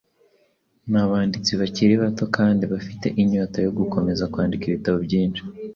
nabanditsi bakiri bato kandi bafite inyota yo gukomeza kwandika ibitabo byinshi.